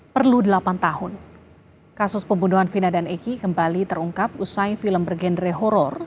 perlu delapan tahun kasus pembunuhan vina dan eki kembali terungkap usai film bergenre horror